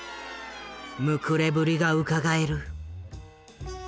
むくれぶりがうかがえる。